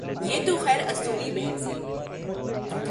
یہ تو خیر اصولی بحث ہے۔